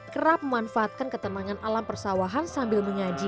kerap memanfaatkan ketenangan alam persawahan sambil menyaji